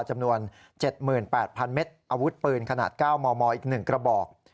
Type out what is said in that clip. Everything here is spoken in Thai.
จำนวน๗๘๐๐เมตรอาวุธปืนขนาด๙มมอีก๑กระบอก